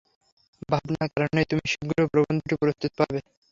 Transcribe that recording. ভাবনার কারণ নেই, তুমি শীঘ্রই প্রবন্ধটি প্রস্তুত পাবে।